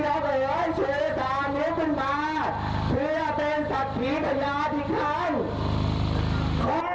ข้อที่สามล่างรัฐกรณีจบบัตรสุนบินของประชาชน